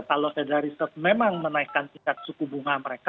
kalau federal reserve memang menaikkan tingkat suku bunga mereka